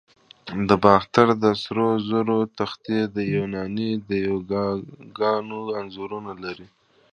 د باختر د سرو زرو تختې د یوناني دیوگانو انځورونه لري